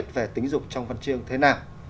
tính dục trong phần chiêng thế nào